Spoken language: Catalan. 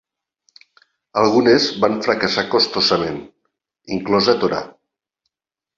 Algunes van fracassar costosament, inclosa Tora!